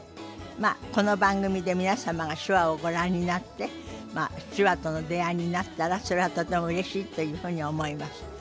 まあこの番組で皆様が手話をご覧になって手話との出会いになったらそれはとてもうれしいというふうに思います。